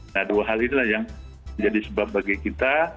nah dua hal inilah yang menjadi sebab bagi kita